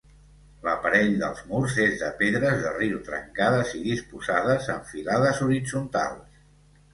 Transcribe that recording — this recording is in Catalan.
L'aparell dels murs és de pedres de riu trencades i disposades en filades horitzontals.